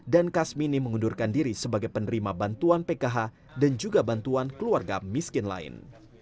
dan kasmini mengundurkan diri sebagai penerima bantuan pkh dan juga bantuan keluarga miskin lain